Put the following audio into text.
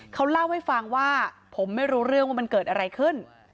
เขาเล่าให้ฟังว่าผมไม่รู้เรื่องว่ามันเกิดอะไรขึ้น